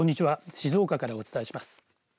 静岡からお伝えします。